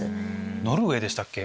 ノルウェーでしたっけ？